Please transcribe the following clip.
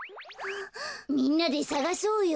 みんなでさがそうよ。